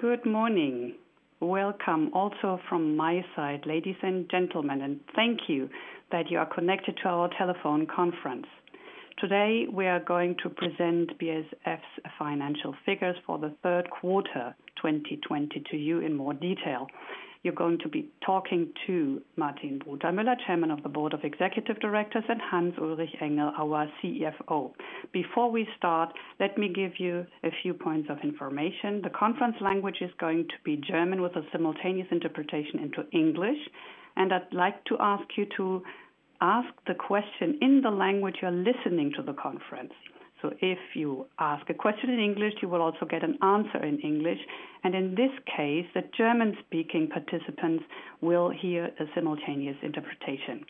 Good morning. Welcome also from my side, ladies and gentlemen, thank you that you are connected to our telephone conference. Today, we are going to present BASF's financial figures for the third quarter 2020 to you in more detail. You're going to be talking to Martin Brudermüller, Chairman of the Board of Executive Directors, and Hans-Ulrich Engel, our CFO. Before we start, let me give you a few points of information. The conference language is going to be German with a simultaneous interpretation into English, I'd like to ask you to ask the question in the language you're listening to the conference. If you ask a question in English, you will also get an answer in English. In this case, the German-speaking participants will hear a simultaneous interpretation.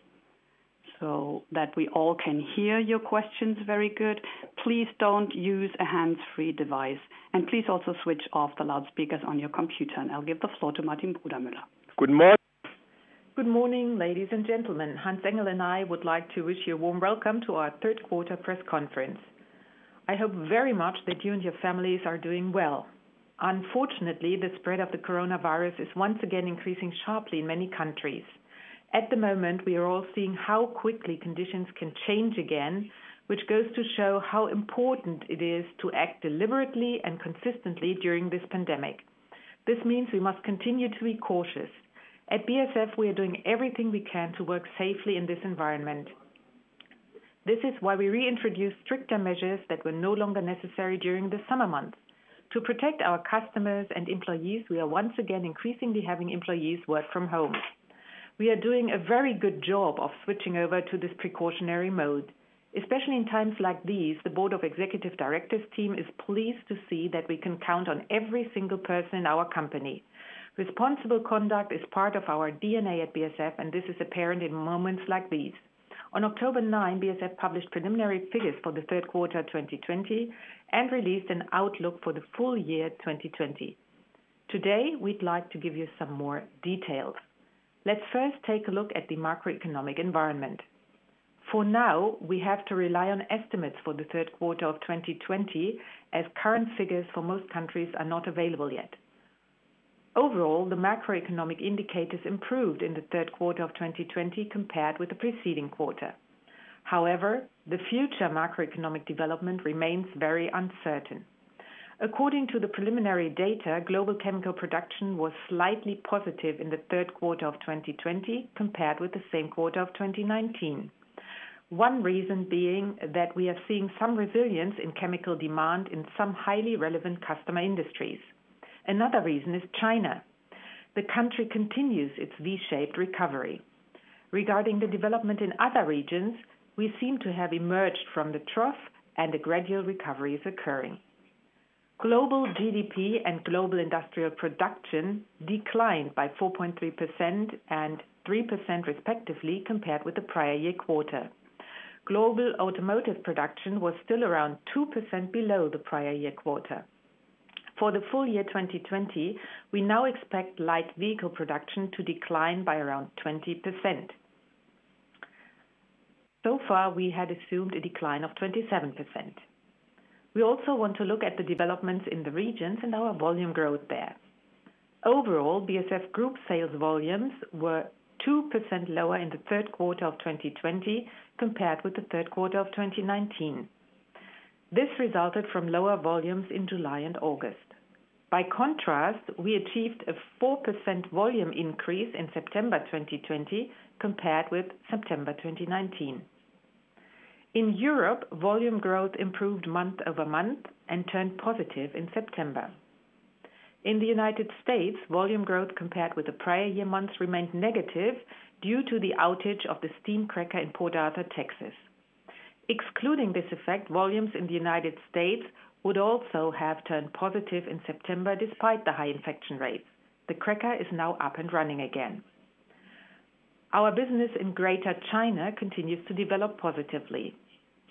That we all can hear your questions very good, please don't use a hands-free device, and please also switch off the loudspeakers on your computer. I'll give the floor to Martin Brudermüller. Good morning, ladies and gentlemen. Hans Engel and I would like to wish you a warm welcome to our third quarter press conference. I hope very much that you and your families are doing well. Unfortunately, the spread of the coronavirus is once again increasing sharply in many countries. At the moment, we are all seeing how quickly conditions can change again, which goes to show how important it is to act deliberately and consistently during this pandemic. This means we must continue to be cautious. At BASF, we are doing everything we can to work safely in this environment. This is why we reintroduced stricter measures that were no longer necessary during the summer months. To protect our customers and employees, we are once again increasingly having employees work from home. We are doing a very good job of switching over to this precautionary mode. Especially in times like these, the board of executive directors team is pleased to see that we can count on every single person in our company. Responsible conduct is part of our DNA at BASF, and this is apparent in moments like these. On October 9, BASF published preliminary figures for the third quarter 2020 and released an outlook for the full year 2020. Today, we'd like to give you some more details. Let's first take a look at the macroeconomic environment. For now, we have to rely on estimates for the third quarter of 2020, as current figures for most countries are not available yet. Overall, the macroeconomic indicators improved in the third quarter of 2020 compared with the preceding quarter. However, the future macroeconomic development remains very uncertain. According to the preliminary data, global chemical production was slightly positive in the third quarter of 2020 compared with the same quarter of 2019. One reason being that we are seeing some resilience in chemical demand in some highly relevant customer industries. Another reason is China. The country continues its V-shaped recovery. Regarding the development in other regions, we seem to have emerged from the trough, and a gradual recovery is occurring. Global GDP and global industrial production declined by 4.3% and 3% respectively compared with the prior year quarter. Global automotive production was still around 2% below the prior year quarter. For the full year 2020, we now expect light vehicle production to decline by around 20%. So far, we had assumed a decline of 27%. We also want to look at the developments in the regions and our volume growth there. Overall, BASF Group sales volumes were 2% lower in the third quarter of 2020 compared with the third quarter of 2019. This resulted from lower volumes in July and August. By contrast, we achieved a 4% volume increase in September 2020 compared with September 2019. In Europe, volume growth improved month-over-month and turned positive in September. In the United States, volume growth compared with the prior year months remained negative due to the outage of the steam cracker in Port Arthur, Texas. Excluding this effect, volumes in the United States would also have turned positive in September despite the high infection rates. The cracker is now up and running again. Our business in Greater China continues to develop positively.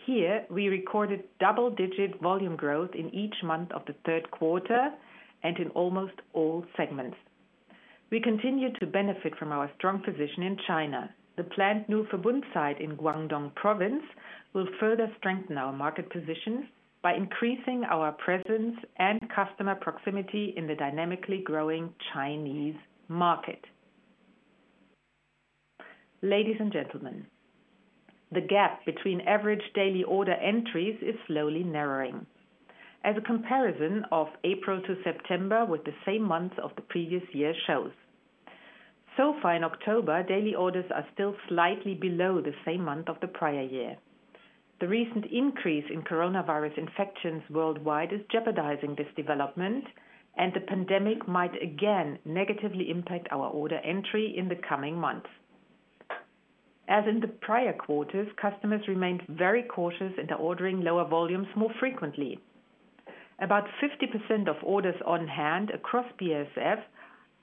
Here, we recorded double-digit volume growth in each month of the third quarter and in almost all segments. We continue to benefit from our strong position in China. The planned new Verbund site in Guangdong province will further strengthen our market positions by increasing our presence and customer proximity in the dynamically growing Chinese market. Ladies and gentlemen, the gap between average daily order entries is slowly narrowing. As a comparison of April to September with the same months of the previous year shows. So far in October, daily orders are still slightly below the same month of the prior year. The recent increase in coronavirus infections worldwide is jeopardizing this development, and the pandemic might again negatively impact our order entry in the coming months. As in the prior quarters, customers remained very cautious and are ordering lower volumes more frequently. About 50% of orders on hand across BASF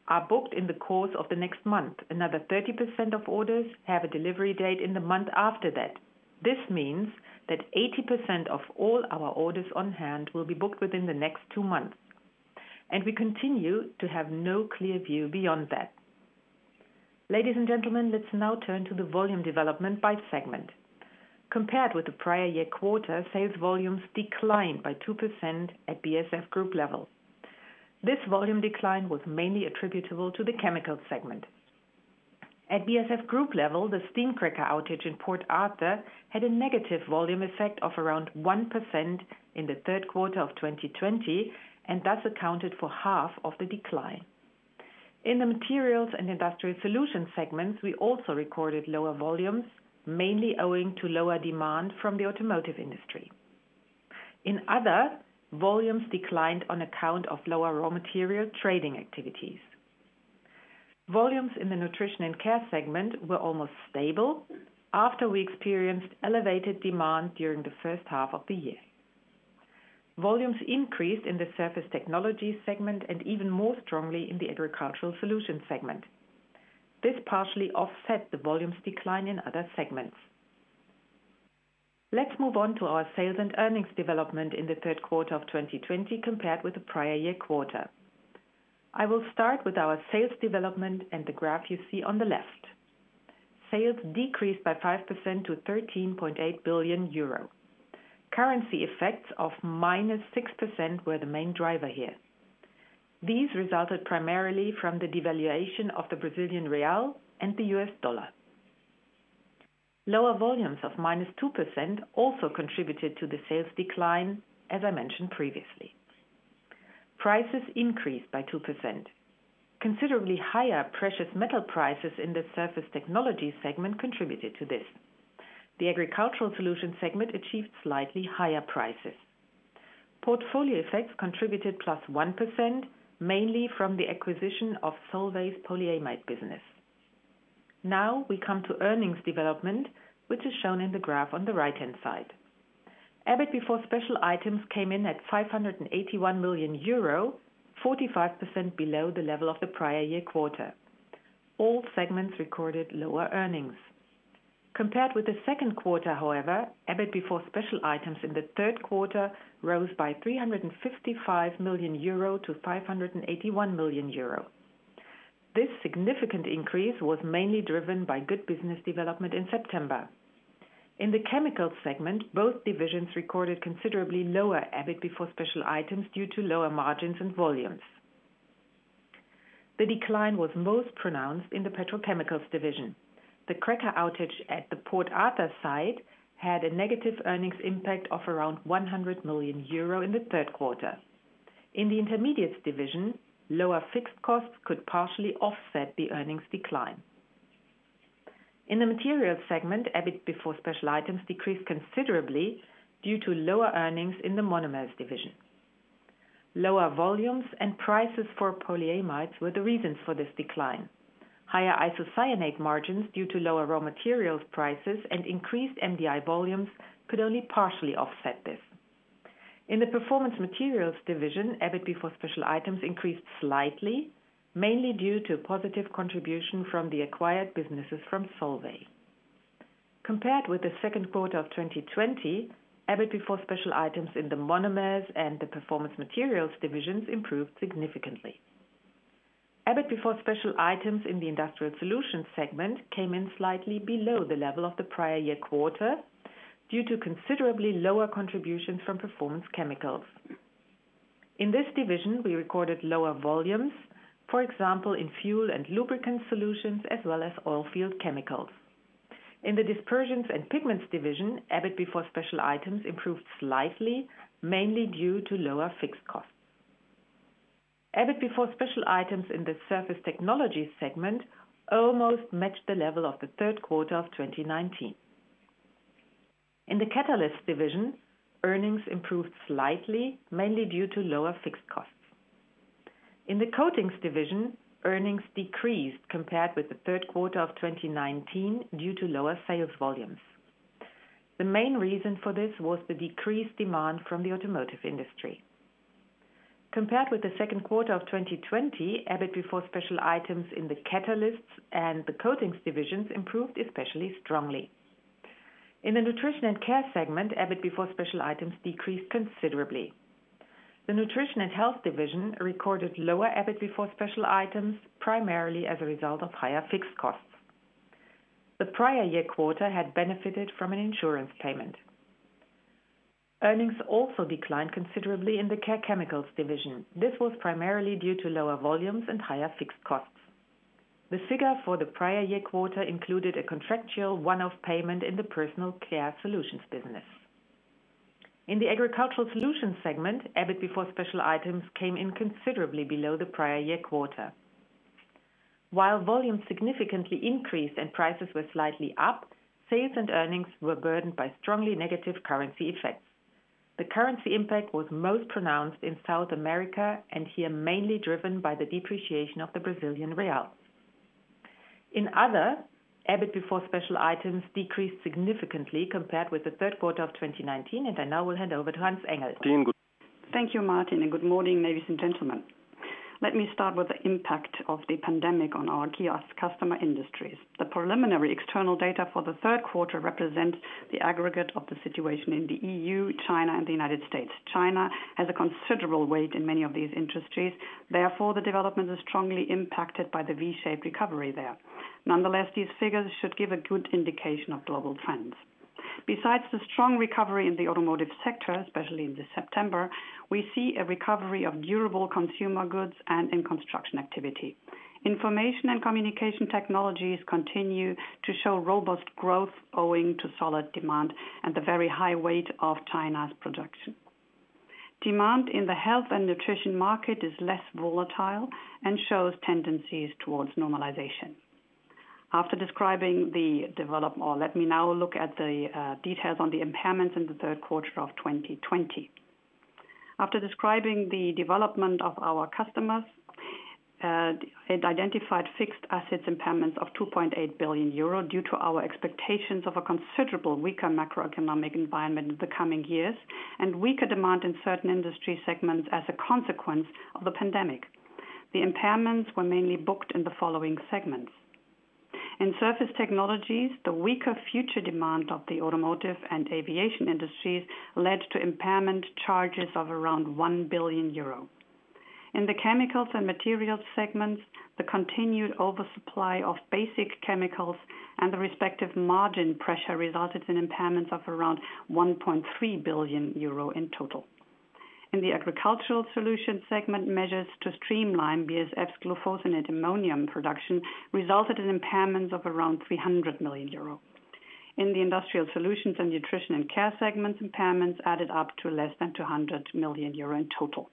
are booked in the course of the next month. Another 30% of orders have a delivery date in the month after that. This means that 80% of all our orders on hand will be booked within the next two months. We continue to have no clear view beyond that. Ladies and gentlemen, let's now turn to the volume development by segment. Compared with the prior year quarter, sales volumes declined by 2% at BASF Group level. This volume decline was mainly attributable to the Chemicals segment. At BASF Group level, the steam cracker outage in Port Arthur had a negative volume effect of around 1% in the third quarter of 2020, and thus accounted for half of the decline. In the Materials & Industrial Solutions segment, we also recorded lower volumes, mainly owing to lower demand from the automotive industry. In Other, volumes declined on account of lower raw material trading activities. Volumes in the Nutrition & Care segment were almost stable after we experienced elevated demand during the first half of the year. Volumes increased in the Surface Technologies segment and even more strongly in the Agricultural Solutions segment. This partially offset the volumes decline in other segments. Let's move on to our sales and earnings development in the third quarter of 2020 compared with the prior year quarter. I will start with our sales development and the graph you see on the left. Sales decreased by 5% to 13.8 billion euro. Currency effects of -6% were the main driver here. These resulted primarily from the devaluation of the Brazilian real and the U.S. dollar. Lower volumes of -2% also contributed to the sales decline, as I mentioned previously. Prices increased by 2%. Considerably higher precious metal prices in the Surface Technologies segment contributed to this. The Agricultural Solutions segment achieved slightly higher prices. Portfolio effects contributed +1%, mainly from the acquisition of Solvay's polyamide business. Now we come to earnings development, which is shown in the graph on the right-hand side. EBIT before special items came in at 581 million euro, 45% below the level of the prior year quarter. All segments recorded lower earnings. Compared with the second quarter, however, EBIT before special items in the third quarter rose by 355 million euro to 581 million euro. This significant increase was mainly driven by good business development in September. In the Chemicals segment, both divisions recorded considerably lower EBIT before special items due to lower margins and volumes. The decline was most pronounced in the Petrochemicals division. The cracker outage at the Port Arthur site had a negative earnings impact of around 100 million euro in the third quarter. In the Intermediates division, lower fixed costs could partially offset the earnings decline. In the Materials segment, EBIT before special items decreased considerably due to lower earnings in the Monomers division. Lower volumes and prices for polyamides were the reasons for this decline. Higher isocyanate margins due to lower raw materials prices and increased MDI volumes could only partially offset this. In the Performance Materials division, EBIT before special items increased slightly, mainly due to positive contribution from the acquired businesses from Solvay. Compared with the second quarter of 2020, EBIT before special items in the Monomers and the Performance Materials divisions improved significantly. EBIT before special items in the Industrial Solutions segment came in slightly below the level of the prior year quarter due to considerably lower contributions from Performance Chemicals. In this division, we recorded lower volumes, for example, in fuel and lubricant solutions as well as oil field chemicals. In the Dispersions and Pigments division, EBIT before special items improved slightly, mainly due to lower fixed costs. EBIT before special items in the Surface Technologies segment almost matched the level of the third quarter of 2019. In the Catalysts division, earnings improved slightly, mainly due to lower fixed costs. In the Coatings division, earnings decreased compared with the third quarter of 2019 due to lower sales volumes. The main reason for this was the decreased demand from the automotive industry. Compared with the second quarter of 2020, EBIT before special items in the Catalysts and the Coatings divisions improved especially strongly. In the Nutrition & Care segment, EBIT before special items decreased considerably. The Nutrition and Health division recorded lower EBIT before special items, primarily as a result of higher fixed costs. The prior year quarter had benefited from an insurance payment. Earnings also declined considerably in the Care Chemicals division. This was primarily due to lower volumes and higher fixed costs. The figure for the prior year quarter included a contractual one-off payment in the Personal Care Solutions business. In the Agricultural Solutions segment, EBIT before special items came in considerably below the prior year quarter. While volumes significantly increased and prices were slightly up, sales and earnings were burdened by strongly negative currency effects. The currency impact was most pronounced in South America, and here, mainly driven by the depreciation of the Brazilian real. In other, EBIT before special items decreased significantly compared with the third quarter of 2019. I now will hand over to Hans Engel. Thank you, Martin, and good morning, ladies and gentlemen. Let me start with the impact of the pandemic on our key customer industries. The preliminary external data for the third quarter represents the aggregate of the situation in the EU, China, and the United States. China has a considerable weight in many of these industries. Therefore, the development is strongly impacted by the V-shaped recovery there. Nonetheless, these figures should give a good indication of global trends. Besides the strong recovery in the automotive sector, especially in September, we see a recovery of durable consumer goods and in construction activity. Information and communication technologies continue to show robust growth owing to solid demand and the very high weight of China's production. Demand in the health and nutrition market is less volatile and shows tendencies towards normalization. Let me now look at the details on the impairments in the third quarter of 2020. After describing the development of our customers, it identified fixed assets impairments of 2.8 billion euro due to our expectations of a considerably weaker macroeconomic environment in the coming years, and weaker demand in certain industry segments as a consequence of the pandemic. The impairments were mainly booked in the following segments. In Surface Technologies, the weaker future demand of the automotive and aviation industries led to impairment charges of around 1 billion euro. In the Chemicals and Materials segments, the continued oversupply of basic chemicals and the respective margin pressure resulted in impairments of around 1.3 billion euro in total. In the Agricultural Solutions segment, measures to streamline BASF's glufosinate-ammonium production resulted in impairments of around 300 million euro. In the Industrial Solutions and Nutrition & Care segments, impairments added up to less than 200 million euro in total.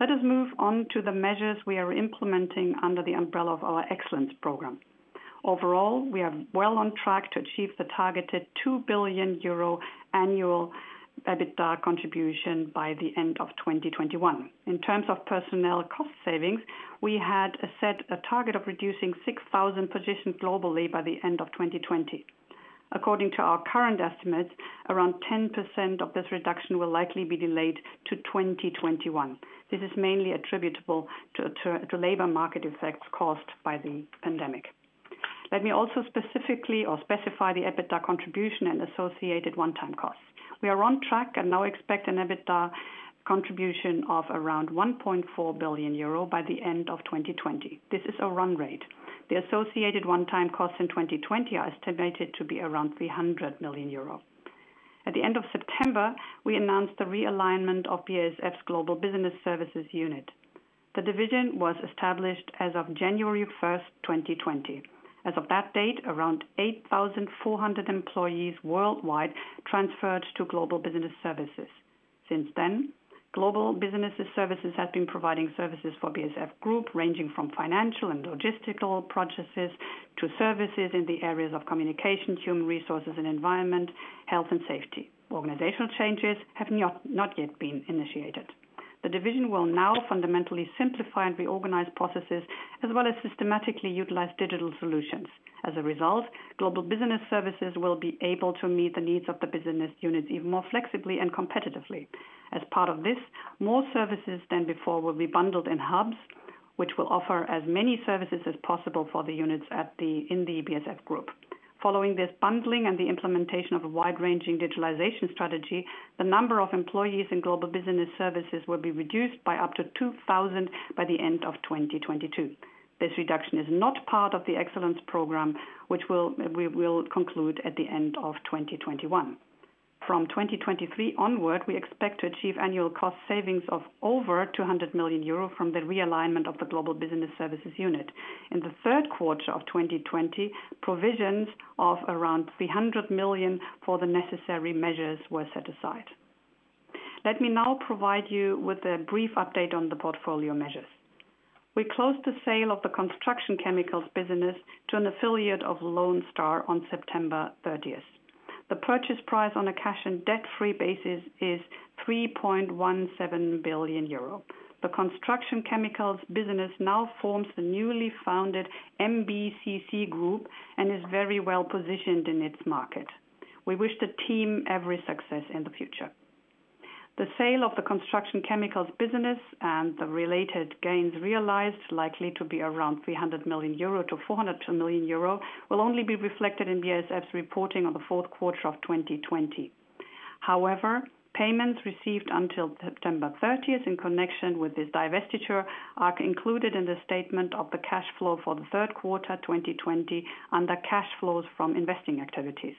Let us move on to the measures we are implementing under the umbrella of our excellence program. Overall, we are well on track to achieve the targeted 2 billion euro annual EBITDA contribution by the end of 2021. In terms of personnel cost savings, we had set a target of reducing 6,000 positions globally by the end of 2020. According to our current estimates, around 10% of this reduction will likely be delayed to 2021. This is mainly attributable to labor market effects caused by the pandemic. Let me also specify the EBITDA contribution and associated one-time costs. We are on track and now expect an EBITDA contribution of around 1.4 billion euro by the end of 2020. This is a run rate. The associated one-time costs in 2020 are estimated to be around 300 million euro. At the end of September, we announced the realignment of BASF's Global Business Services unit. The division was established as of January 1st, 2020. As of that date, around 8,400 employees worldwide transferred to Global Business Services. Since then, Global Business Services has been providing services for BASF Group, ranging from financial and logistical processes to services in the areas of communication, human resources and environment, health and safety. Organizational changes have not yet been initiated. The division will now fundamentally simplify and reorganize processes as well as systematically utilize digital solutions. As a result, Global Business Services will be able to meet the needs of the business units even more flexibly and competitively. As part of this, more services than before will be bundled in hubs, which will offer as many services as possible for the units in the BASF Group. Following this bundling and the implementation of a wide-ranging digitalization strategy, the number of employees in Global Business Services will be reduced by up to 2,000 by the end of 2022. This reduction is not part of the excellence program, which we will conclude at the end of 2021. From 2023 onward, we expect to achieve annual cost savings of over 200 million euro from the realignment of the Global Business Services unit. In the third quarter of 2020, provisions of around 300 million for the necessary measures were set aside. Let me now provide you with a brief update on the portfolio measures. We closed the sale of the construction chemicals business to an affiliate of Lone Star on September 30th. The purchase price on a cash and debt-free basis is 3.17 billion euro. The Construction Chemicals business now forms the newly founded MBCC Group and is very well positioned in its market. We wish the team every success in the future. The sale of the Construction Chemicals business and the related gains realized, likely to be around 300 million-402 million euro, will only be reflected in BASF's reporting on the fourth quarter of 2020. Payments received until September 30th in connection with this divestiture are included in the statement of the cash flow for the third quarter 2020 under cash flows from investing activities.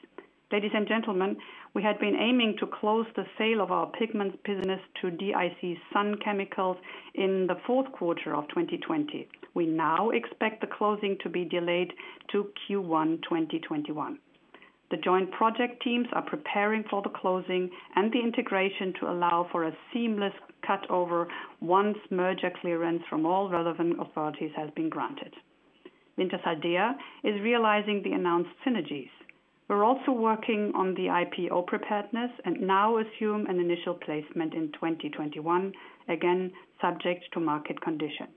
Ladies and gentlemen, we had been aiming to close the sale of our pigments business to DIC Sun Chemical in the fourth quarter of 2020. We now expect the closing to be delayed to Q1 2021. The joint project teams are preparing for the closing and the integration to allow for a seamless cut-over once merger clearance from all relevant authorities has been granted. Wintershall Dea is realizing the announced synergies. We're also working on the IPO preparedness and now assume an initial placement in 2021, again, subject to market conditions.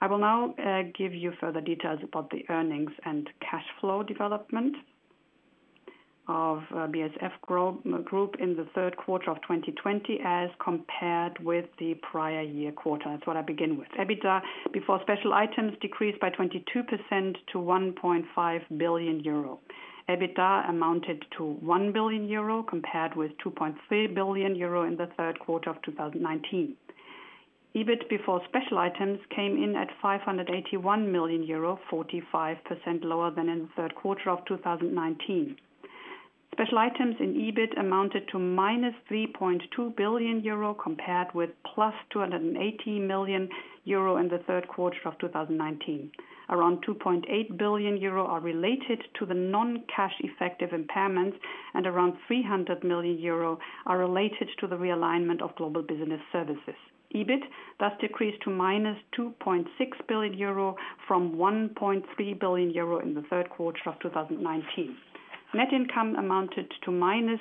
I will now give you further details about the earnings and cash flow development of BASF Group in the third quarter of 2020 as compared with the prior year quarter. That's what I begin with. EBITDA before special items decreased by 22% to 1.5 billion euro. EBITDA amounted to 1 billion euro compared with 2.3 billion euro in the third quarter of 2019. EBIT before special items came in at 581 million euro, 45% lower than in the third quarter of 2019. Special items in EBIT amounted to minus 3.2 billion euro compared with plus 280 million euro in the third quarter of 2019. Around 2.8 billion euro are related to the non-cash effective impairments, and around 300 million euro are related to the realignment of Global Business Services. EBIT thus decreased to minus 2.6 billion euro from 1.3 billion euro in the third quarter of 2019. Net income amounted to minus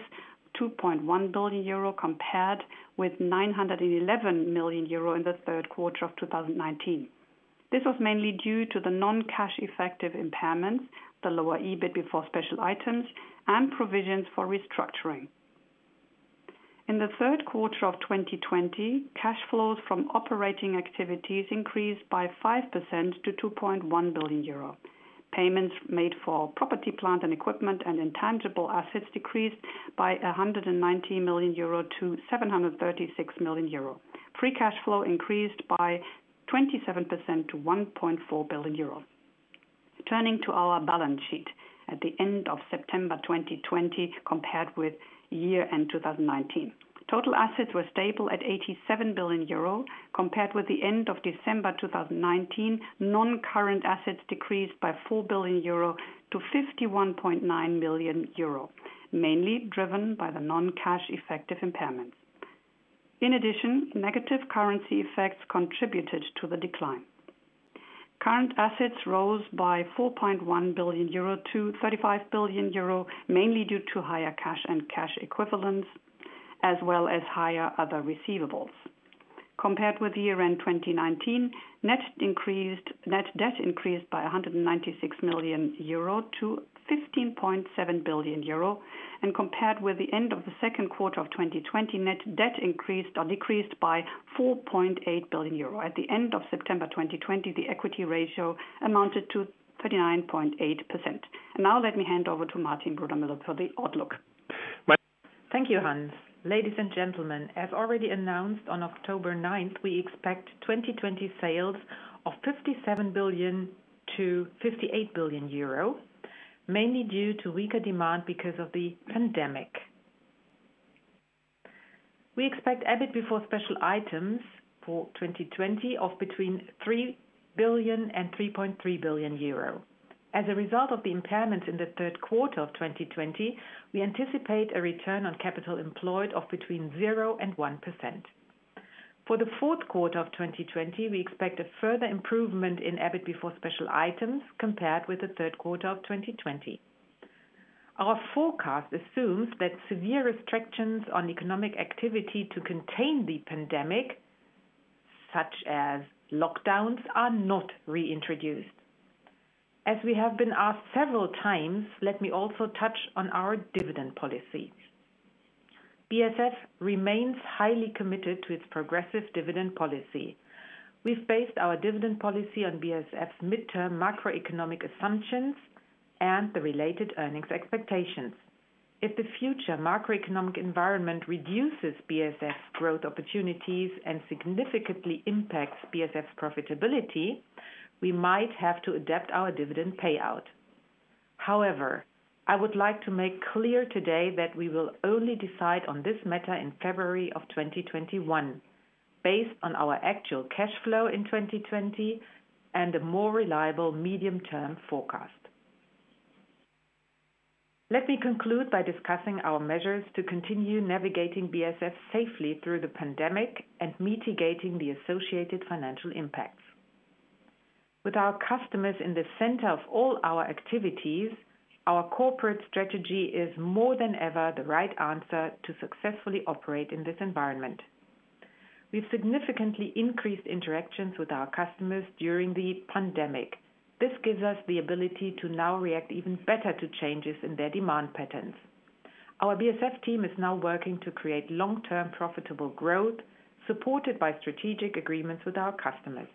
2.1 billion euro, compared with 911 million euro in the third quarter of 2019. This was mainly due to the non-cash effective impairments, the lower EBIT before special items, and provisions for restructuring. In the third quarter of 2020, cash flows from operating activities increased by 5% to 2.1 billion euro. Payments made for property, plant, and equipment and intangible assets decreased by 190 million euro to 736 million euro. Free cash flow increased by 27% to 1.4 billion euro. Turning to our balance sheet at the end of September 2020 compared with year-end 2019. Total assets were stable at 87 billion euro compared with the end of December 2019. Non-current assets decreased by 4 billion euro to 51.9 billion euro, mainly driven by the non-cash effective impairments. In addition, negative currency effects contributed to the decline. Current assets rose by 4.1 billion euro to 35 billion euro, mainly due to higher cash and cash equivalents as well as higher other receivables. Compared with year-end 2019, net debt increased by 196 million euro to 15.7 billion euro and compared with the end of the second quarter of 2020, net debt increased or decreased by 4.8 billion euro. At the end of September 2020, the equity ratio amounted to 39.8%. Now let me hand over to Martin Brudermüller for the outlook. Thank you, Hans. Ladies and gentlemen, as already announced on October 9th, we expect 2020 sales of 57 billion-58 billion euro, mainly due to weaker demand because of the pandemic. We expect EBIT before special items for 2020 of between 3 billion and 3.3 billion euro. As a result of the impairment in the third quarter of 2020, we anticipate a return on capital employed of between 0% and 1%. For the fourth quarter of 2020, we expect a further improvement in EBIT before special items compared with the third quarter of 2020. Our forecast assumes that severe restrictions on economic activity to contain the pandemic, such as lockdowns, are not reintroduced. As we have been asked several times, let me also touch on our dividend policy. BASF remains highly committed to its progressive dividend policy. We've based our dividend policy on BASF's midterm macroeconomic assumptions and the related earnings expectations. If the future macroeconomic environment reduces BASF growth opportunities and significantly impacts BASF profitability, we might have to adapt our dividend payout. However, I would like to make clear today that we will only decide on this matter in February of 2021 based on our actual cash flow in 2020 and a more reliable medium-term forecast. Let me conclude by discussing our measures to continue navigating BASF safely through the pandemic and mitigating the associated financial impacts. With our customers in the center of all our activities, our corporate strategy is more than ever the right answer to successfully operate in this environment. We've significantly increased interactions with our customers during the pandemic. This gives us the ability to now react even better to changes in their demand patterns. Our BASF team is now working to create long-term profitable growth supported by strategic agreements with our customers.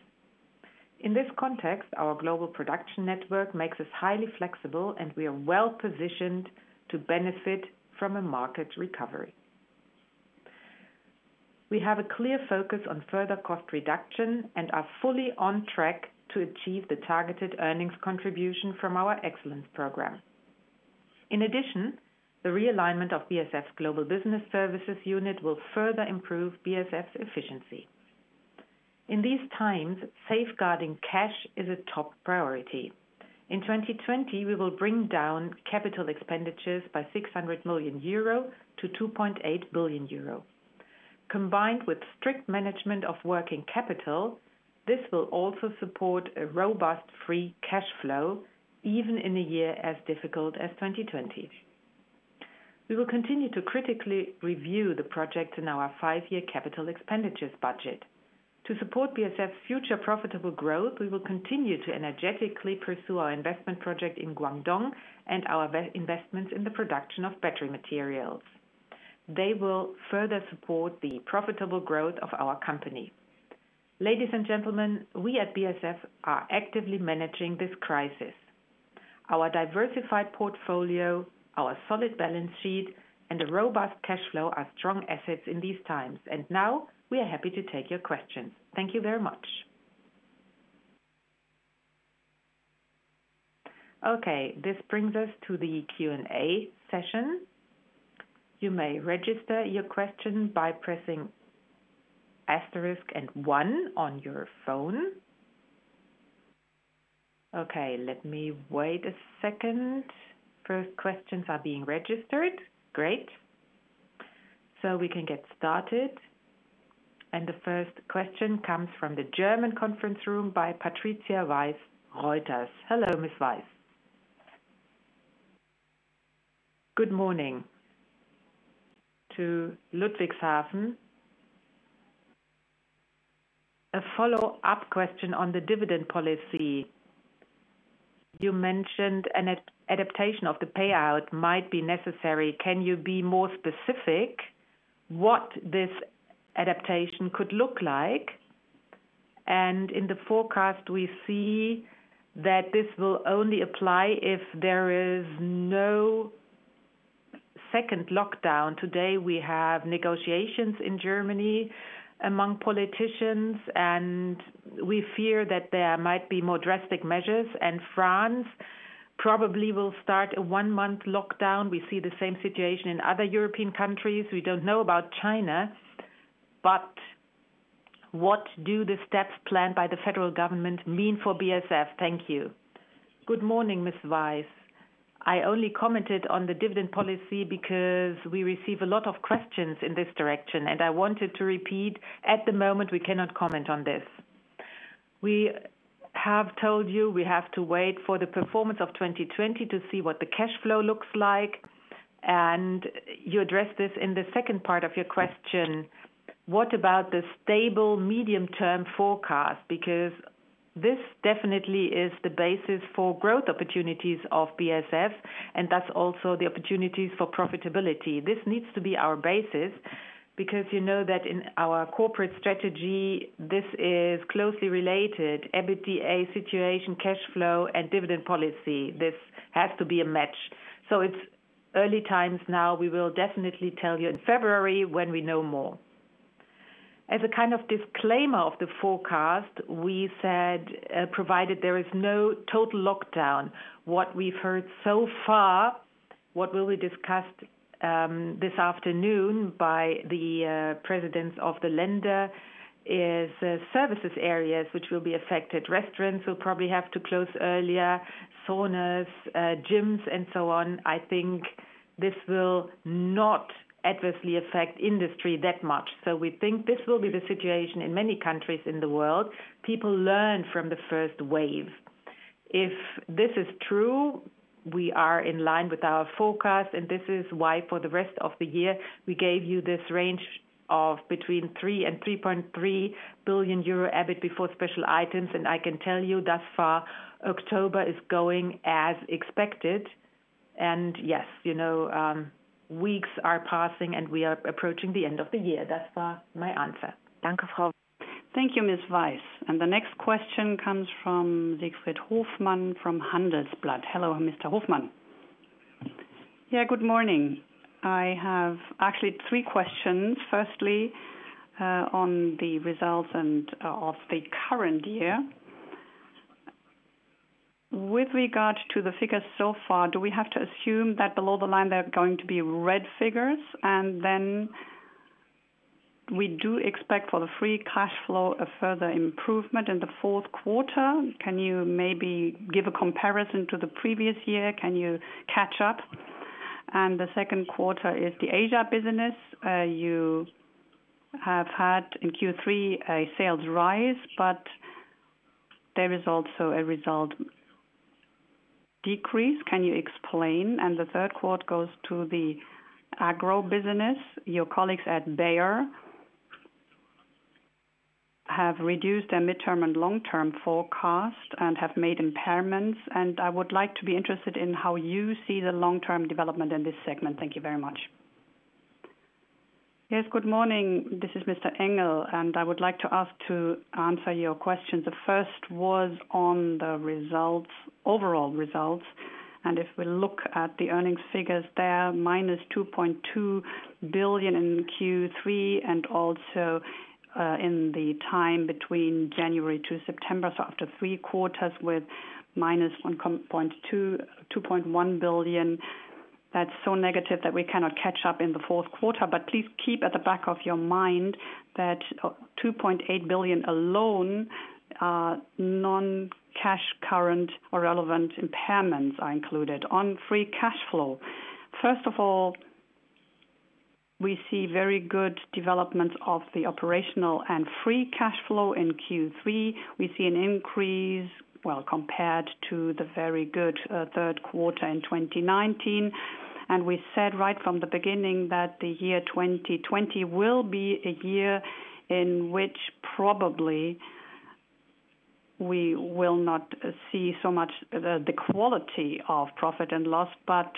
In this context, our global production network makes us highly flexible and we are well-positioned to benefit from a market recovery. We have a clear focus on further cost reduction and are fully on track to achieve the targeted earnings contribution from our excellence program. In addition, the realignment of BASF Global Business Services unit will further improve BASF efficiency. In these times, safeguarding cash is a top priority. In 2020, we will bring down capital expenditures by 600 million euro to 2.8 billion euro. Combined with strict management of working capital, this will also support a robust free cash flow even in a year as difficult as 2020. We will continue to critically review the projects in our five-year capital expenditures budget. To support BASF future profitable growth, we will continue to energetically pursue our investment project in Guangdong and our investments in the production of battery materials. They will further support the profitable growth of our company. Ladies and gentlemen, we at BASF are actively managing this crisis. Our diversified portfolio, our solid balance sheet, and a robust cash flow are strong assets in these times. Now we are happy to take your questions. Thank you very much. Okay, this brings us to the Q&A session. You may register your question by pressing asterisk and one on your phone. Okay, let me wait a second. First questions are being registered. Great. We can get started. The first question comes from the German conference room by Patricia Weiss, Reuters. Hello, Ms. Weiss. Good morning to Ludwigshafen. A follow-up question on the dividend policy. You mentioned an adaptation of the payout might be necessary. Can you be more specific what this adaptation could look like? In the forecast, we see that this will only apply if there is no second lockdown. Today, we have negotiations in Germany among politicians, and we fear that there might be more drastic measures, and France probably will start a one-month lockdown. We see the same situation in other European countries. We don't know about China, but what do the steps planned by the federal government mean for BASF? Thank you. Good morning, Ms. Weiss. I only commented on the dividend policy because we receive a lot of questions in this direction, and I wanted to repeat, at the moment, we cannot comment on this. We have told you we have to wait for the performance of 2020 to see what the cash flow looks like, and you addressed this in the second part of your question. What about the stable medium-term forecast? This definitely is the basis for growth opportunities of BASF, and that's also the opportunities for profitability. This needs to be our basis, you know that in our corporate strategy, this is closely related, EBITDA situation, cash flow, and dividend policy. This has to be a match. It's early times now. We will definitely tell you in February when we know more. As a kind of disclaimer of the forecast, we said, provided there is no total lockdown. What we've heard so far, what will be discussed this afternoon by the presidents of the Länder is services areas which will be affected. Restaurants will probably have to close earlier, saunas, gyms, and so on. I think this will not adversely affect industry that much. We think this will be the situation in many countries in the world. People learn from the first wave. If this is true, we are in line with our forecast, this is why for the rest of the year, we gave you this range of between 3 billion and 3.3 billion euro EBIT before special items. I can tell you thus far, October is going as expected. Yes, weeks are passing and we are approaching the end of the year. That was my answer. Thank you, Ms. Weiss. The next question comes from Siegfried Hofmann from Handelsblatt. Hello, Mr. Hofmann. Yeah, good morning. I have actually three questions. Firstly, on the results and of the current year. With regard to the figures so far, do we have to assume that below the line there are going to be red figures? Then we do expect for the free cash flow a further improvement in the fourth quarter. Can you maybe give a comparison to the previous year? Can you catch up? The second quarter is the Asia business. You have had in Q3 a sales rise, but there is also a result decrease. Can you explain? The third question goes to the agro business. Your colleagues at Bayer have reduced their mid-term and long-term forecast and have made impairments, and I would like to be interested in how you see the long-term development in this segment. Thank you very much. Yes, good morning. This is Mr. Engel, and I would like to ask to answer your questions. The first was on the overall results, and if we look at the earnings figures there, minus 2.2 billion in Q3, and also in the time between January to September, so after three quarters with -2.1 billion. That's so negative that we cannot catch up in the fourth quarter, but please keep at the back of your mind that 2.8 billion alone, non-cash current or relevant impairments are included. On free cash flow. First of all, we see very good developments of the operational and free cash flow in Q3. We see an increase, well, compared to the very good third quarter in 2019. We said right from the beginning that the year 2020 will be a year in which probably we will not see so much the quality of profit and loss, but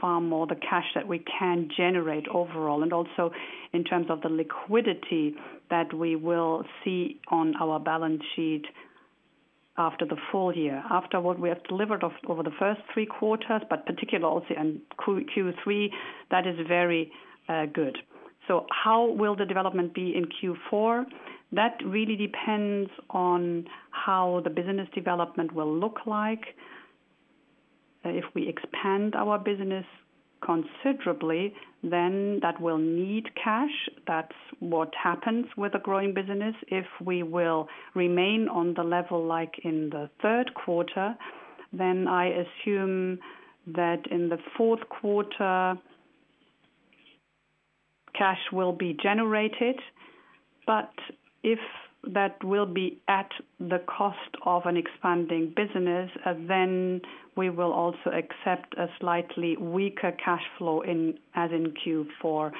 far more the cash that we can generate overall, and also in terms of the liquidity that we will see on our balance sheet. After the full year. After what we have delivered over the first three quarters, but particularly also in Q3, that is very good. How will the development be in Q4? That really depends on how the business development will look like. If we expand our business considerably, then that will need cash. That's what happens with a growing business. If we will remain on the level like in the third quarter, then I assume that in the fourth quarter, cash will be generated. If that will be at the cost of an expanding business, then we will also accept a slightly weaker cash flow as in Q4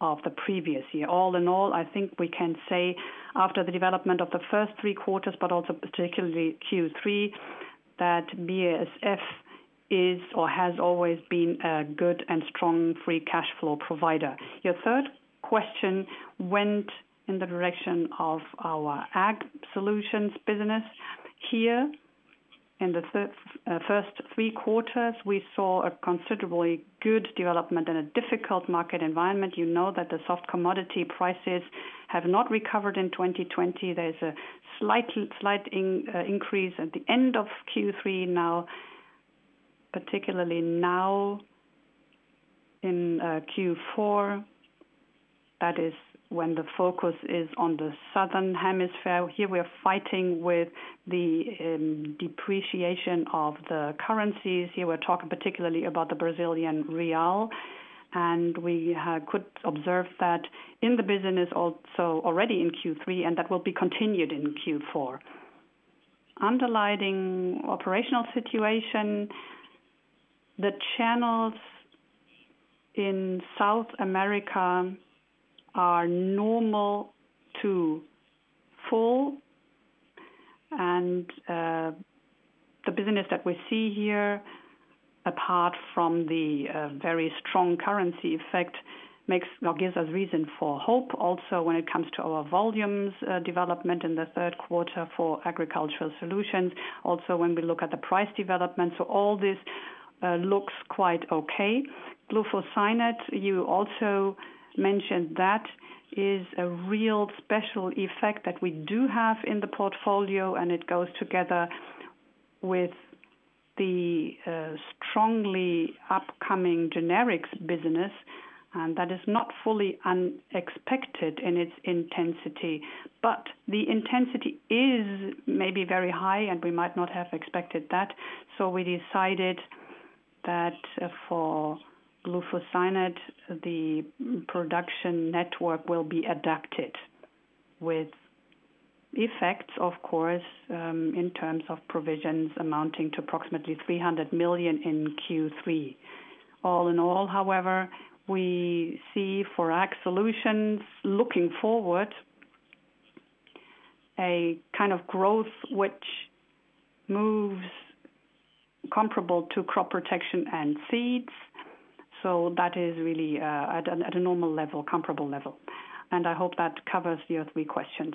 of the previous year. All in all, I think we can say after the development of the first three quarters, but also particularly Q3, that BASF is or has always been a good and strong free cash flow provider. Your third question went in the direction of our Ag Solutions business. Here, in the first three quarters, we saw a considerably good development in a difficult market environment. You know that the soft commodity prices have not recovered in 2020. There's a slight increase at the end of Q3 now, particularly now in Q4. That is when the focus is on the southern hemisphere. Here we are fighting with the depreciation of the currencies. Here we're talking particularly about the Brazilian real. We could observe that in the business also already in Q3, and that will be continued in Q4. Underlining operational situation, the channels in South America are normal to full, and the business that we see here, apart from the very strong currency effect, gives us reason for hope. When it comes to our volumes development in the third quarter for Agricultural Solutions, when we look at the price development. All this looks quite okay. Glufosinate, you also mentioned that is a real special effect that we do have in the portfolio, and it goes together with the strongly upcoming generics business, and that is not fully unexpected in its intensity. The intensity is maybe very high, and we might not have expected that. We decided that for glufosinate, the production network will be adapted with effects, of course, in terms of provisions amounting to approximately 300 million in Q3. All in all, however, we see for Ag Solutions, looking forward, a kind of growth which moves comparable to crop protection and seeds. That is really at a normal level, comparable level. I hope that covers your three questions.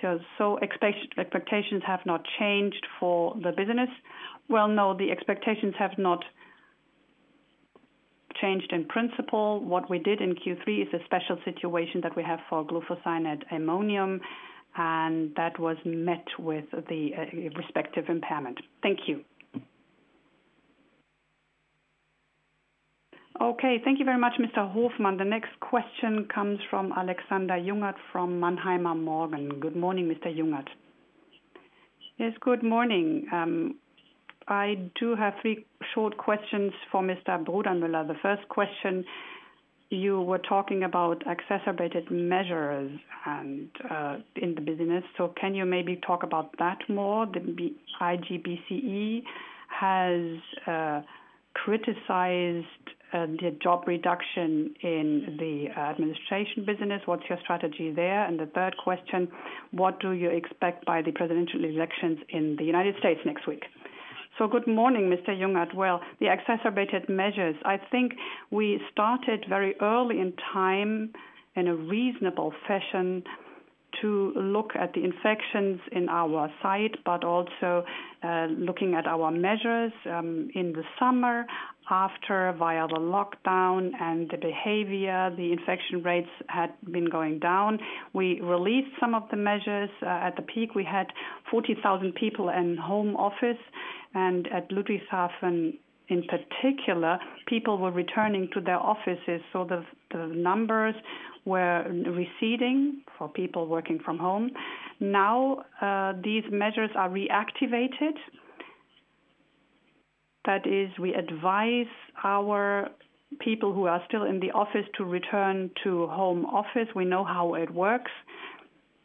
Sure. Expectations have not changed for the business? No, the expectations have not changed in principle. What we did in Q3 is a special situation that we have for glufosinate-ammonium, That was met with the respective impairment. Thank you. Okay. Thank you very much, Mr. Hofmann. The next question comes from Alexander Jungert from Mannheimer Morgen. Good morning, Mr. Jungert. Yes, good morning. I do have three short questions for Mr. Brudermüller. The first question, you were talking about exacerbated measures in the business. Can you maybe talk about that more? The IG BCE has criticized the job reduction in the administration business. What's your strategy there? The third question, what do you expect by the presidential elections in the U.S. next week? Good morning, Mr. Jungert. The exacerbated measures, I think we started very early in time in a reasonable fashion to look at the infections in our site, but also looking at our measures in the summer after, via the lockdown and the behavior, the infection rates had been going down. We released some of the measures. At the peak, we had 40,000 people in home office, and at Ludwigshafen in particular, people were returning to their offices. The numbers were receding for people working from home. These measures are reactivated. That is, we advise our people who are still in the office to return to home office. We know how it works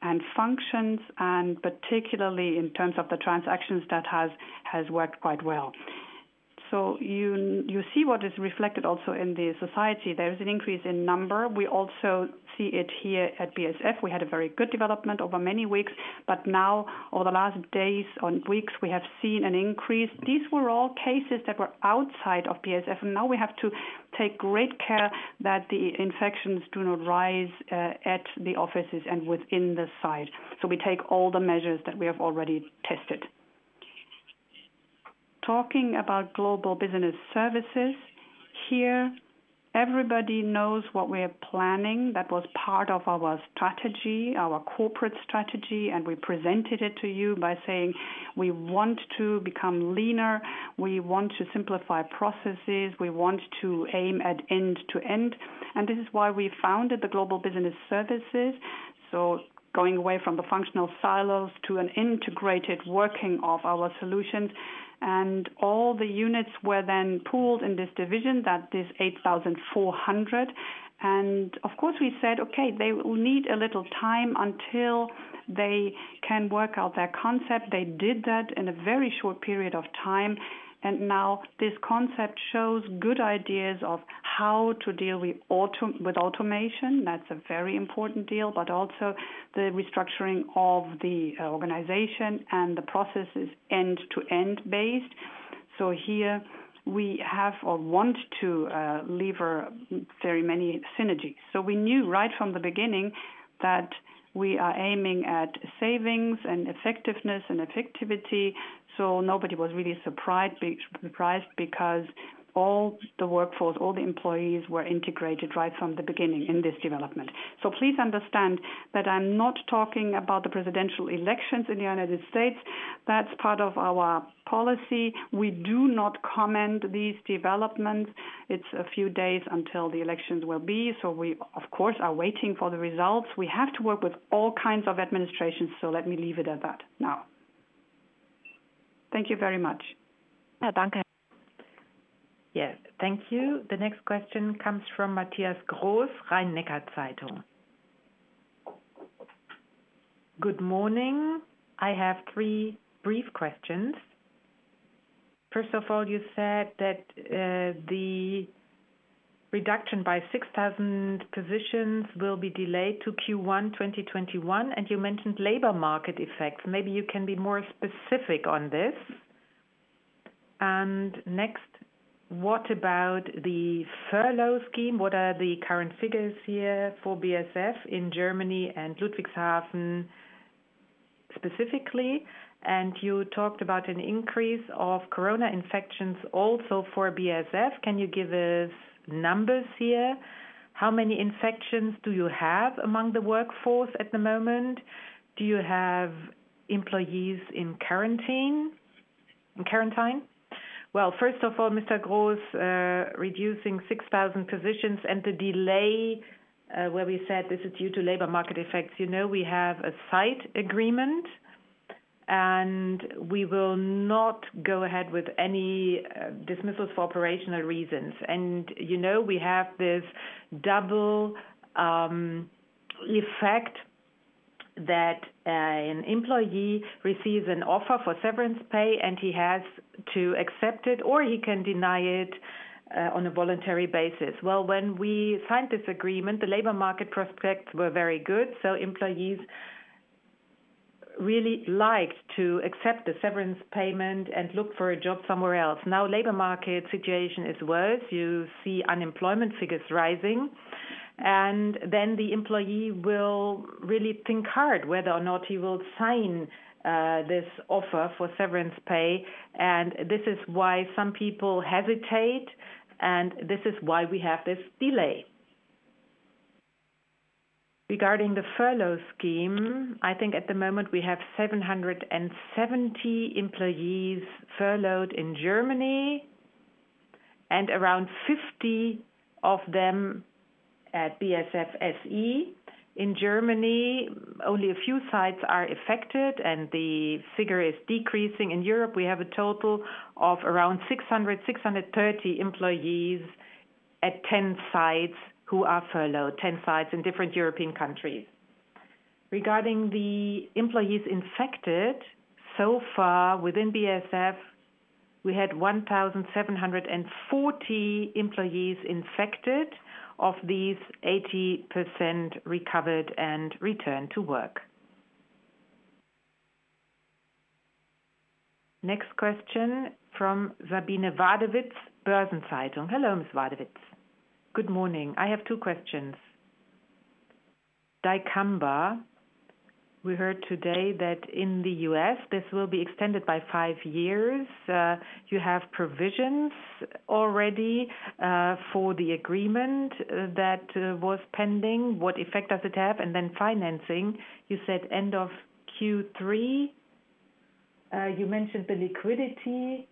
and functions, and particularly in terms of the transactions, that has worked quite well. You see what is reflected also in the society. There is an increase in number. We also see it here at BASF. We had a very good development over many weeks, but now over the last days and weeks, we have seen an increase. These were all cases that were outside of BASF, and now we have to take great care that the infections do not rise at the offices and within the site. We take all the measures that we have already tested. Talking about Global Business Services, here everybody knows what we are planning. That was part of our corporate strategy, and we presented it to you by saying we want to become leaner, we want to simplify processes, we want to aim at end-to-end. This is why we founded the Global Business Services. Going away from the functional silos to an integrated working of our solutions. All the units were then pooled in this division, that is 8,400. Of course we said, okay, they will need a little time until they can work out their concept. They did that in a very short period of time, and now this concept shows good ideas of how to deal with automation. That's a very important deal, but also the restructuring of the organization and the process is end-to-end based. Here we have or want to lever very many synergies. We knew right from the beginning that we are aiming at savings and effectiveness and effectivity, so nobody was really surprised because all the workforce, all the employees were integrated right from the beginning in this development. Please understand that I'm not talking about the presidential elections in the United States. That's part of our policy. We do not comment these developments. It's a few days until the elections will be, so we of course, are waiting for the results. We have to work with all kinds of administrations, so let me leave it at that now. Thank you very much. Yes. Thank you. The next question comes from Matthias Kros, Rhein-Neckar-Zeitung. Good morning. I have three brief questions. First of all, you said that the reduction by 6,000 positions will be delayed to Q1 2021, and you mentioned labor market effects. Maybe you can be more specific on this. Next, what about the furlough scheme? What are the current figures here for BASF in Germany and Ludwigshafen specifically? You talked about an increase of corona infections also for BASF. Can you give us numbers here? How many infections do you have among the workforce at the moment? Do you have employees in quarantine? First of all, Mr. Kros, reducing 6,000 positions and the delay, where we said this is due to labor market effects. You know we have a site agreement, we will not go ahead with any dismissals for operational reasons. You know we have this double effect that an employee receives an offer for severance pay and he has to accept it, or he can deny it on a voluntary basis. When we signed this agreement, the labor market prospects were very good. Employees really liked to accept the severance payment and look for a job somewhere else. Now labor market situation is worse. You see unemployment figures rising, the employee will really think hard whether or not he will sign this offer for severance pay. This is why some people hesitate, and this is why we have this delay. Regarding the furlough scheme, I think at the moment we have 770 employees furloughed in Germany and around 50 of them at BASF SE. In Germany, only a few sites are affected and the figure is decreasing. In Europe, we have a total of around 600, 630 employees at 10 sites who are furloughed, 10 sites in different European countries. Regarding the employees infected, so far within BASF, we had 1,740 employees infected. Of these, 80% recovered and returned to work. Next question from Sabine Wadewitz, Börsen-Zeitung. Hello, Ms. Wadewitz. Good morning. I have two questions. dicamba, we heard today that in the U.S. this will be extended by five years. You have provisions already for the agreement that was pending. What effect does it have? Then financing, you said end of Q3. You mentioned the liquidity,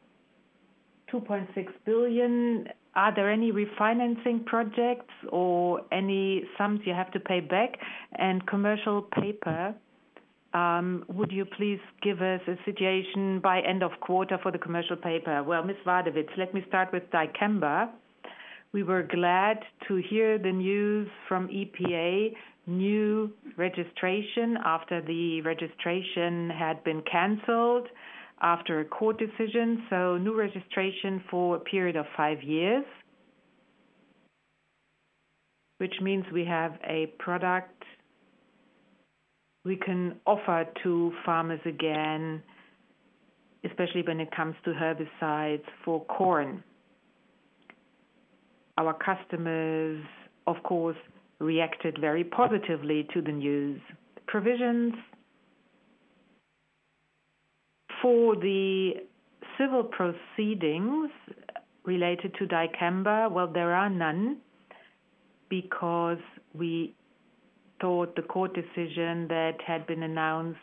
2.6 billion. Are there any refinancing projects or any sums you have to pay back? Commercial paper, would you please give us a situation by end of quarter for the commercial paper? Well, Ms. Wadewitz, let me start with dicamba. We were glad to hear the news from EPA. New registration after the registration had been canceled after a court decision. New registration for a period of five years, which means we have a product we can offer to farmers again, especially when it comes to herbicides for corn. Our customers, of course, reacted very positively to the news provisions. For the civil proceedings related to dicamba, well, there are none because we thought the court decision that had been announced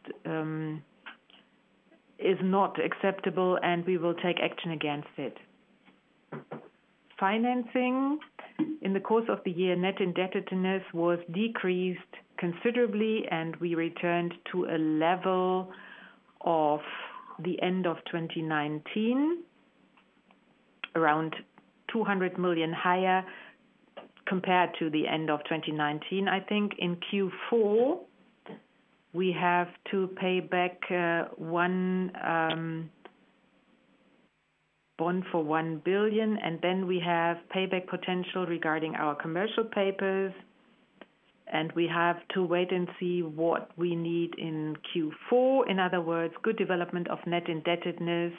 is not acceptable. We will take action against it. Financing, in the course of the year, net indebtedness was decreased considerably. We returned to a level of the end of 2019, around 200 million higher compared to the end of 2019, I think. In Q4, we have to pay back one bond for 1 billion. Then we have payback potential regarding our commercial papers. We have to wait and see what we need in Q4. In other words, good development of net indebtedness,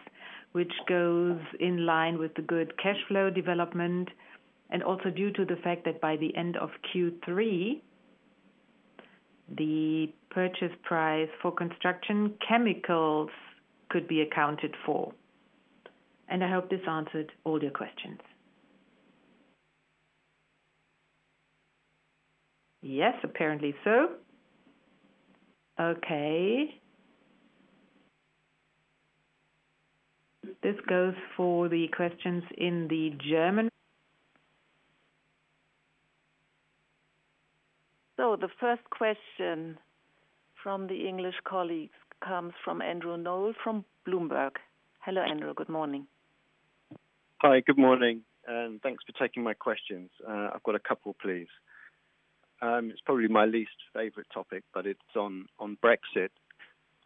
which goes in line with the good cash flow development, and also due to the fact that by the end of Q3, the purchase price for Construction Chemicals could be accounted for. I hope this answered all your questions. Yes, apparently so. Okay. This goes for the questions in the German. The first question from the English colleagues comes from Andrew Noel from Bloomberg. Hello, Andrew. Good morning. Hi, good morning, and thanks for taking my questions. I've got a couple, please. It's probably my least favorite topic, but it's on Brexit.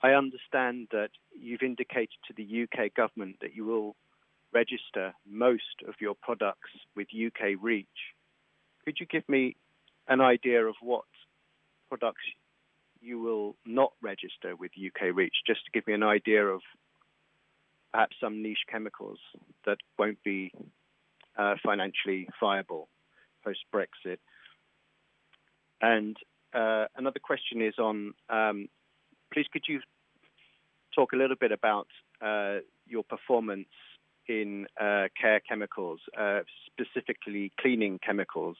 I understand that you've indicated to the U.K. government that you will register most of your products with UK REACH. Could you give me an idea of what products you will not register with UK REACH, just to give me an idea of perhaps some niche chemicals that won't be financially viable post-Brexit? Another question is on, please could you talk a little bit about your performance in Care Chemicals, specifically cleaning chemicals?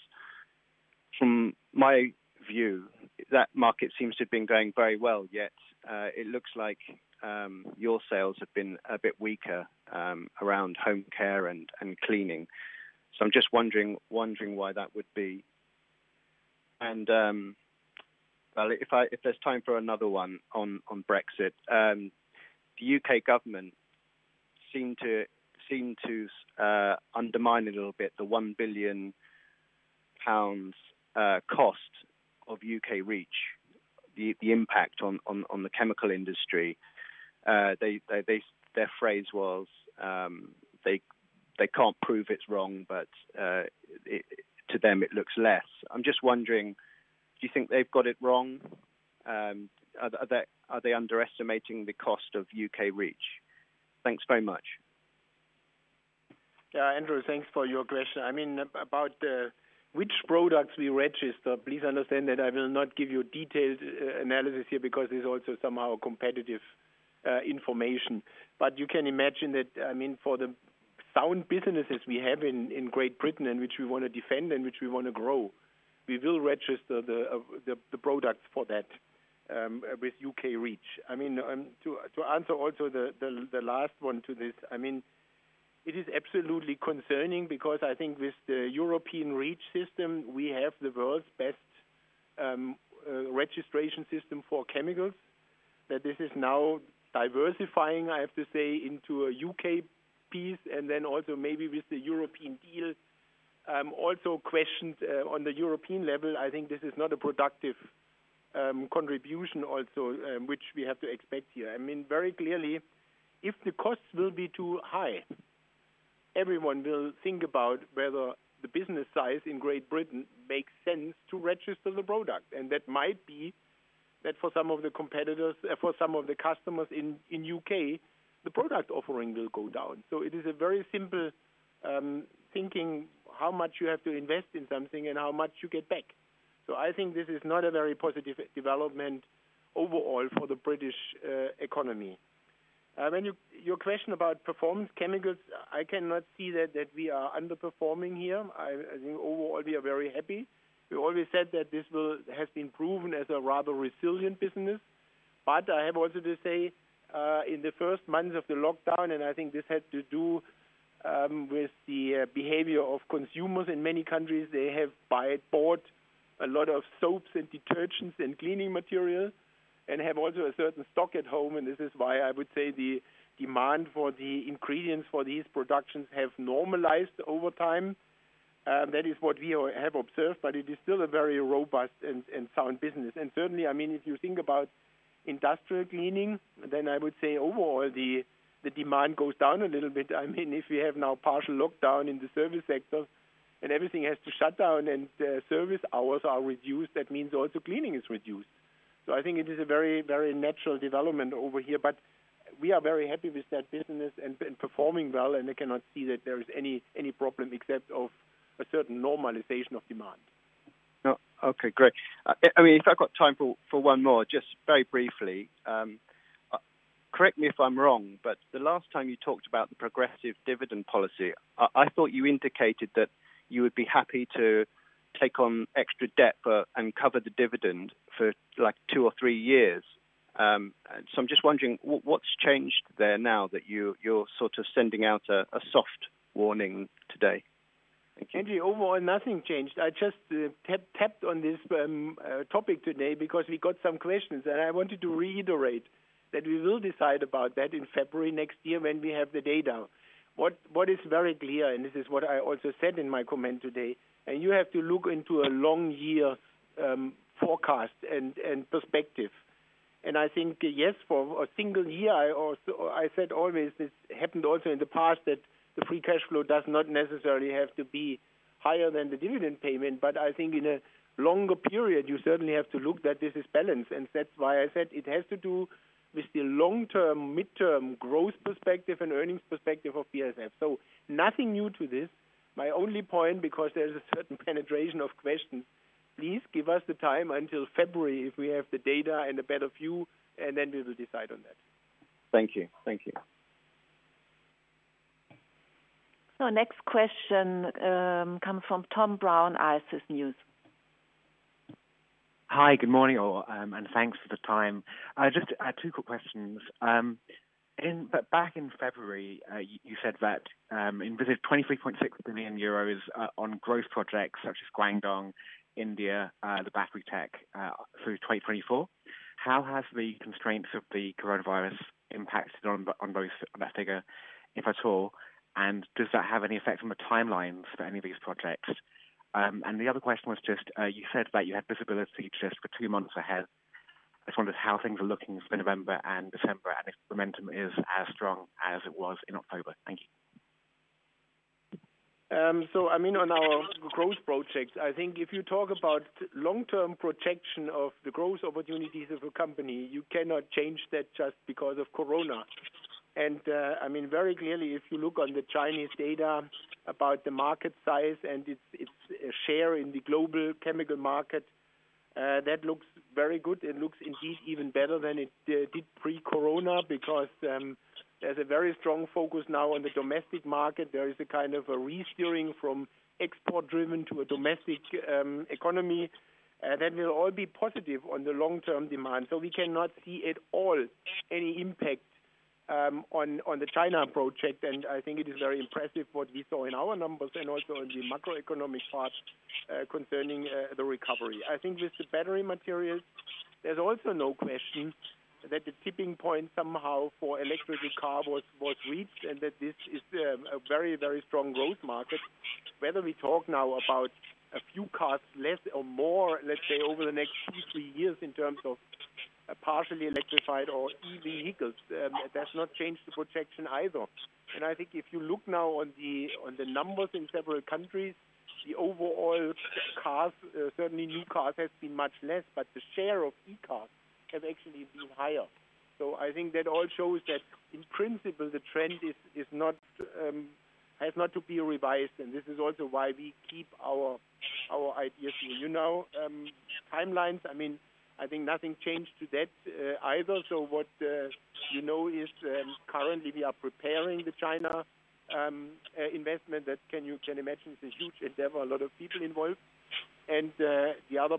From my view, that market seems to have been going very well, yet it looks like your sales have been a bit weaker around home care and cleaning. I'm just wondering why that would be. Well, if there's time for another one on Brexit. The U.K. government seem to undermine a little bit the 1 billion pounds cost of U.K. REACH, the impact on the chemical industry. Their phrase was, they can't prove it's wrong, but to them it looks less. I'm just wondering, do you think they've got it wrong? Are they underestimating the cost of U.K. REACH? Thanks very much. Andrew, thanks for your question. About which products we register, please understand that I will not give you a detailed analysis here because it's also somehow competitive information. You can imagine that, for the sound businesses we have in Great Britain, and which we want to defend and which we want to grow, we will register the products for that with UK REACH. To answer also the last one to this, it is absolutely concerning because I think with the European REACH system, we have the world's best registration system for chemicals. That this is now diversifying, I have to say, into a U.K. piece, and then also maybe with the European deal, also questions on the European level, I think this is not a productive contribution also, which we have to expect here. Very clearly, if the costs will be too high, everyone will think about whether the business size in Great Britain makes sense to register the product. That might be that for some of the competitors, for some of the customers in U.K., the product offering will go down. It is a very simple thinking, how much you have to invest in something and how much you get back. I think this is not a very positive development overall for the British economy. Your question about performance chemicals, I cannot see that we are underperforming here. I think overall, we are very happy. We always said that this has been proven as a rather resilient business. I have also to say, in the first months of the lockdown, and I think this had to do with the behavior of consumers in many countries, they have bought a lot of soaps and detergents and cleaning materials, and have also a certain stock at home, and this is why I would say the demand for the ingredients for these productions have normalized over time. That is what we have observed, but it is still a very robust and sound business. Certainly, if you think about industrial cleaning, then I would say overall, the demand goes down a little bit. If we have now partial lockdown in the service sector and everything has to shut down and service hours are reduced, that means also cleaning is reduced. I think it is a very natural development over here, but we are very happy with that business and performing well, and I cannot see that there is any problem except of a certain normalization of demand. Okay, great. If I've got time for one more, just very briefly. Correct me if I'm wrong, but the last time you talked about the progressive dividend policy, I thought you indicated that you would be happy to take on extra debt and cover the dividend for two or three years. I'm just wondering what's changed there now that you're sort of sending out a soft warning today? Thank you. Andy, overall, nothing changed. I just tapped on this topic today because we got some questions, and I wanted to reiterate that we will decide about that in February next year when we have the data. What is very clear, and this is what I also said in my comment today, and you have to look into a long year forecast and perspective. I think, yes, for a single year, I said always, this happened also in the past, that the free cash flow does not necessarily have to be higher than the dividend payment. I think in a longer period, you certainly have to look that this is balanced. That's why I said it has to do with the long-term, mid-term growth perspective and earnings perspective of BASF. Nothing new to this. My only point, because there's a certain penetration of questions, please give us the time until February if we have the data and a better view, and then we will decide on that. Thank you. Next question comes from Tom Brown, ICIS News. Hi, good morning all. Thanks for the time. I just had two quick questions. Back in February, you said that invested 23.6 billion euros on growth projects such as Guangdong, India, the battery tech, through 2024. How has the constraints of the coronavirus impacted on both of that figure, if at all? Does that have any effect on the timelines for any of these projects? The other question was just, you said that you had visibility just for two months ahead. I just wondered how things are looking for November and December, and if momentum is as strong as it was in October. Thank you. On our growth projects, I think if you talk about long-term projection of the growth opportunities of a company, you cannot change that just because of corona. Very clearly, if you look on the Chinese data about the market size and its share in the global chemical market, that looks very good. It looks indeed even better than it did pre-corona, because there's a very strong focus now on the domestic market. There is a kind of a re-steering from export-driven to a domestic economy, that will all be positive on the long-term demand. We cannot see at all any impact on the China project, and I think it is very impressive what we saw in our numbers and also in the macroeconomic part concerning the recovery. I think with the battery materials, there is also no question that the tipping point somehow for electric car was reached, and that this is a very strong growth market. Whether we talk now about a few cars, less or more, let's say over the next two, three years in terms of partially electrified or EV vehicles, that has not changed the projection either. I think if you look now on the numbers in several countries, the overall cars, certainly new cars, has been much less, but the share of e-cars has actually been higher. I think that all shows that in principle, the trend has not to be revised, and this is also why we keep our ideas. Timelines, I think nothing changed to that either. What you know is, currently we are preparing the China investment that you can imagine is a huge endeavor, a lot of people involved. The other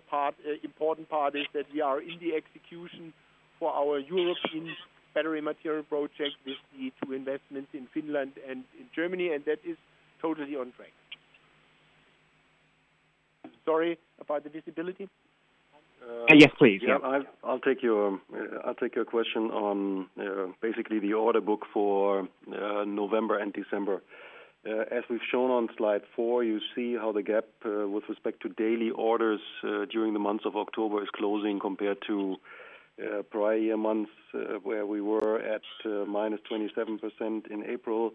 important part is that we are in the execution for our European battery material project with the two investments in Finland and in Germany, and that is totally on track. Sorry, about the visibility. Yes, please. Yeah. I'll take your question on basically the order book for November and December. As we've shown on slide four, you see how the gap, with respect to daily orders during the months of October, is closing compared to prior year months, where we were at -27% in April.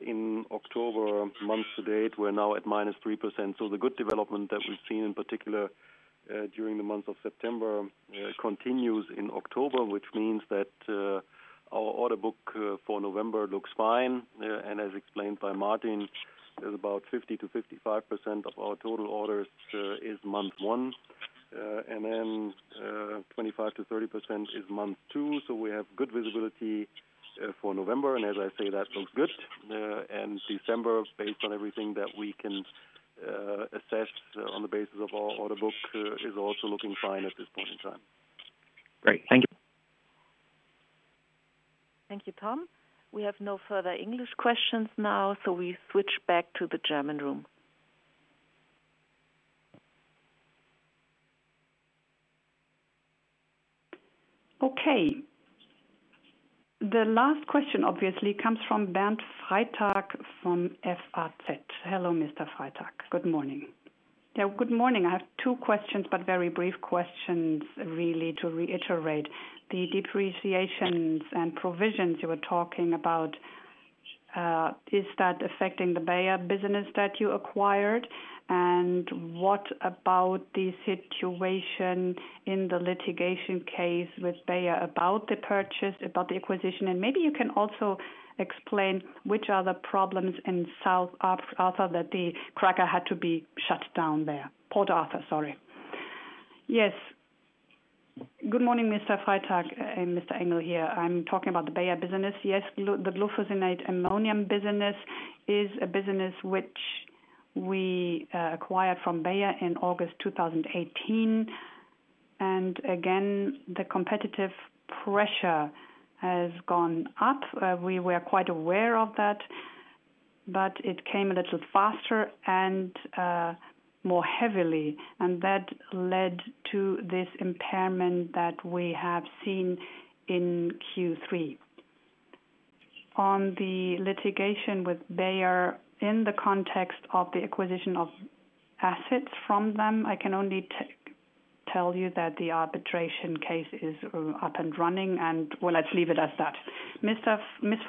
In October month to date, we're now at -3%. The good development that we've seen, in particular during the month of September, continues in October, which means that our order book for November looks fine. As explained by Martin, there's about 50%-55% of our total orders is month one. Then, 25%-30% is month two. We have good visibility for November, and as I say, that looks good. December, based on everything that we can assess on the basis of our order book, is also looking fine at this point in time. Great. Thank you. Thank you, Tom. We have no further English questions now, so we switch back to the German room. The last question obviously comes from Bernd Freytag from FAZ. Hello, Mr. Freytag. Good morning. Yeah, good morning. I have two questions, very brief questions really to reiterate. The depreciations and provisions you were talking about? Is that affecting the Bayer business that you acquired? What about the situation in the litigation case with Bayer about the purchase, about the acquisition? Maybe you can also explain which are the problems in Port Arthur that the cracker had to be shut down there. Port Arthur, sorry. Yes. Good morning, Mr. Freytag and Mr. Engel here. I'm talking about the Bayer business. Yes, the glufosinate-ammonium business is a business which we acquired from Bayer in August 2018. Again, the competitive pressure has gone up. We were quite aware of that, it came a little faster and more heavily, that led to this impairment that we have seen in Q3. On the litigation with Bayer in the context of the acquisition of assets from them, I can only tell you that the arbitration case is up and running and, well, let's leave it as that. Mr.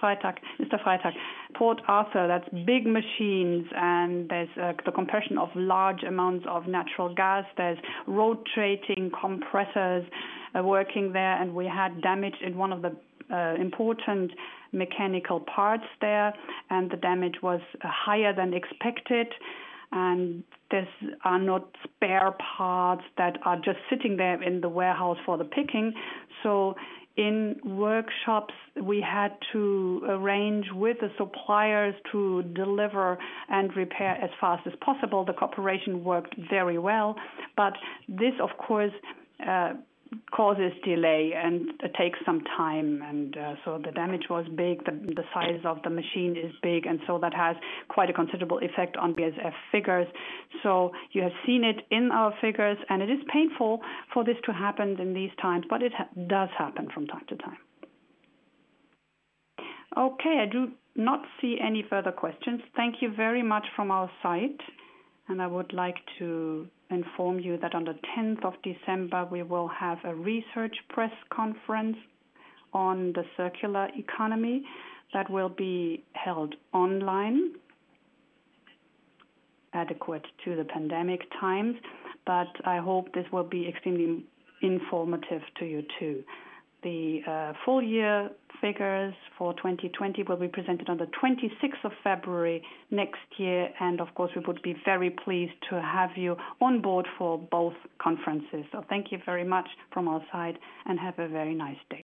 Freytag, Port Arthur, that's big machines and there's the compression of large amounts of natural gas. There's rotating compressors working there, and we had damage in one of the important mechanical parts there, and the damage was higher than expected. These are not spare parts that are just sitting there in the warehouse for the picking. In workshops, we had to arrange with the suppliers to deliver and repair as fast as possible. The cooperation worked very well, but this of course, causes delay and takes some time. The damage was big. The size of the machine is big, and so that has quite a considerable effect on BASF figures. You have seen it in our figures, and it is painful for this to happen in these times, but it does happen from time to time. I do not see any further questions. Thank you very much from our side, and I would like to inform you that on the 10th of December, we will have a research press conference on the circular economy that will be held online, adequate to the pandemic times, but I hope this will be extremely informative to you, too. The full year figures for 2020 will be presented on the 26th of February next year, and of course, we would be very pleased to have you on board for both conferences. Thank you very much from our side and have a very nice day.